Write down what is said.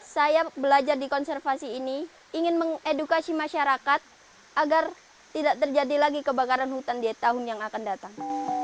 saya belajar di konservasi ini ingin mengedukasi masyarakat agar tidak terjadi lagi kebakaran hutan di tahun yang akan datang